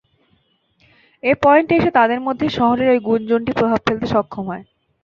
এ পয়েন্টে এসে তাদের মধ্যে শহরের ঐ গুঞ্জনটি প্রভাব ফেলতে সক্ষম হয়।